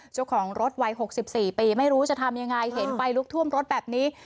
เจ้าของรถวัย๖๔ปีไม่รู้จะทำยังไงเห็นไฟลุกท่วมรถแบบนี้